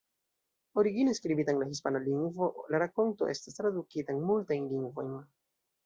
Origine skribita en la hispana lingvo, la rakonto estas tradukita en multajn lingvojn.